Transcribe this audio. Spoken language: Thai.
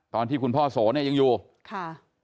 ตอนที่คุณพ่อโสยังอยู่